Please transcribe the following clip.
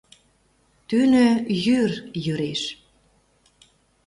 Тӱнӧ йӱр йӱреш.